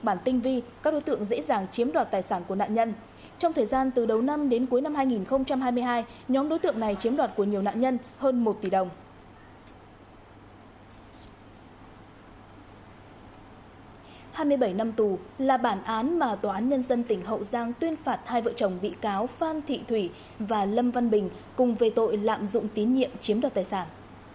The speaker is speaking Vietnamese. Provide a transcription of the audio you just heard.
là bản án mà tòa án nhân dân tỉnh hậu giang tuyên phạt hai vợ chồng bị cáo phan thị thủy và lâm văn bình cùng về tội lạm dụng tín nhiệm chiếm đoạt tài sản